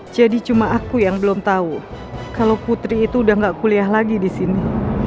jadi cuma aku yang belum tahu kalau putri itu udah nggak kuliah lagi di sini